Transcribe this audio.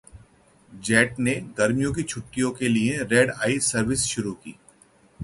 jet ने गर्मियों की छुट्टियों के लिए रेड आई सर्विस शुरू की